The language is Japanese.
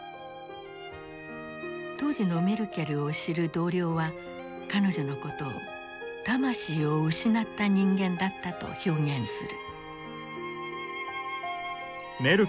当時のメルケルを知る同僚は彼女のことを「魂を失った人間」だったと表現する。